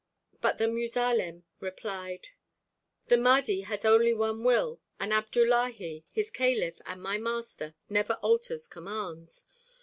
But the muzalem replied: "The Mahdi has only one will, and Abdullahi, his caliph and my master, never alters commands.